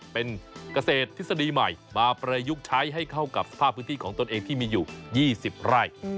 เป็นเกษตรทฤษฎีใหม่มาประยุกต์ใช้ให้เข้ากับสภาพพื้นที่ของตนเองที่มีอยู่๒๐ไร่